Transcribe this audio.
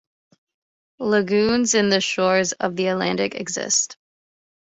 Lagoons in the shores of the Atlantic exist.